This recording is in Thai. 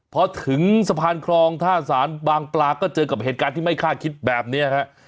พอถึงสะพานคลองท่าสารบางปลาก็เจอกับเหตุการณ์ที่ไม่คาดคิดแบบนี้ฮะ